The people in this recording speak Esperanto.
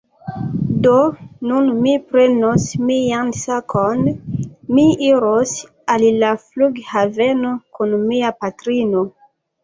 Do nun mi prenos mian sakon. Mi iros al la flughaveno kun mia patrino